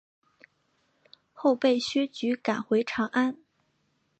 后被薛举赶回长安。